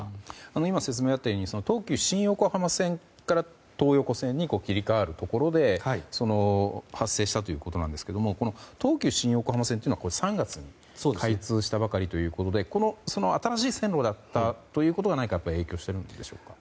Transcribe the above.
今、説明あったように東急新横浜線から東横線に切り替わるところで発生したということですが東急新横浜線は３月に開通したばかりということで新しい線路だったということが何か影響しているんでしょうか。